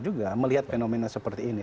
juga melihat fenomena seperti ini